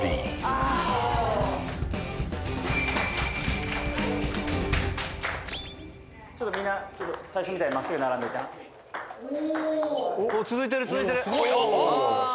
あーみんな最初みたいにまっすぐ並んどいてなおおー続いてる続いてるああー